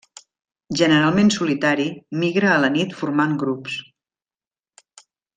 Generalment solitari, migra a la nit formant grups.